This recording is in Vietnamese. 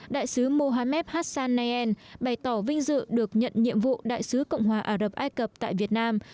đại sứ mohamed hassan nayen bày tỏ vinh dự được nhận nhiệm vụ đại sứ cộng hòa ả rập ai cập tại việt nam